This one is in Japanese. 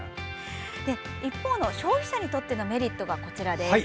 一方の消費者にとってのメリットが、こちら。